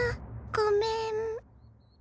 ごめん。